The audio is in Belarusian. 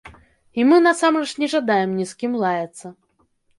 І мы насамрэч не жадаем ні з кім лаяцца.